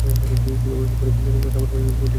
কীভাবে খাবার খুঁজে বের করা যায়।